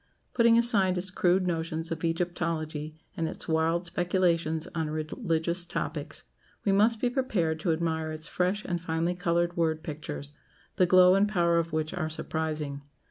Putting aside its crude notions of Egyptology, and its wild speculations on religious topics, we must be prepared to admire its fresh and finely coloured word pictures, the glow and power of which are surprising.